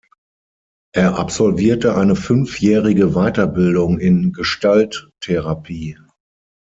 Er absolvierte eine fünfjährige Weiterbildung in Gestalttherapie.